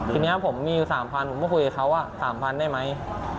ทีนี้ผมมีอยู่๓๐๐๐บาทผมก็คุยกับเขาว่า๓๐๐๐บาทได้ไหม